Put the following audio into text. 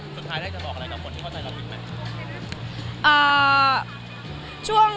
สุดท้ายได้จะบอกอะไรกับคนที่เข้าใจเราผิดไหม